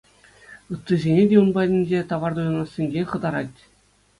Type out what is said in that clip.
Ыттисене те ун патӗнче тавар туянассинчен хӑтарать.